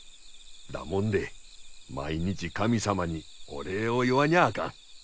だもんで毎日神様にお礼を言わにゃあかん！